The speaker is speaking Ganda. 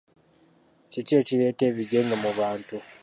Kiki ekireeta ebigenge mu bantu?